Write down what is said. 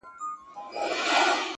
سره له هغه چي خپل شعرونه -